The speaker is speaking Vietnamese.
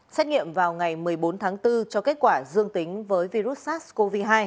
xét nghiệm vào ngày một mươi bốn tháng bốn cho kết quả dương tính với virus sars cov hai